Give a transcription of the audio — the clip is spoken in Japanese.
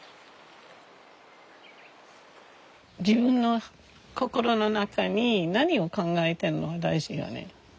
自分の心の中に何を考えてるの大事よね。